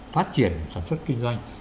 phát triển sản xuất kinh doanh